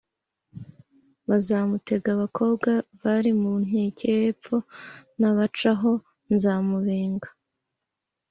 zamutega abakobwa bari mu nkike y'epfo nabacaho nzamubenga.”